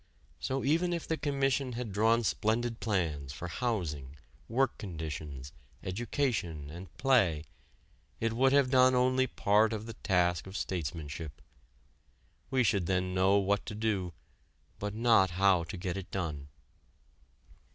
So even if the Commission had drawn splendid plans for housing, work conditions, education, and play it would have done only part of the task of statesmanship. We should then know what to do, but not how to get it done.